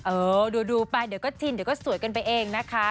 เออดูไปเดี๋ยวก็ชินเดี๋ยวก็สวยกันไปเองนะคะ